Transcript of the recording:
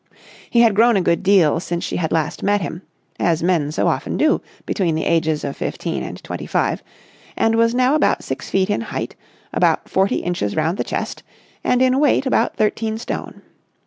He had grown a good deal since she had last met him, as men so often do between the ages of fifteen and twenty five, and was now about six feet in height, about forty inches round the chest, and in weight about thirteen stone.